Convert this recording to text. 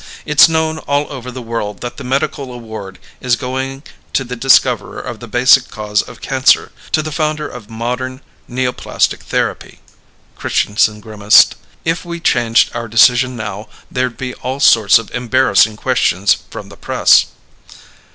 It's known all over the world that the medical award is going to the discoverer of the basic cause of cancer, to the founder of modern neoplastic therapy." Christianson grimaced. "If we changed our decision now, there'd be all sorts of embarrassing questions from the press."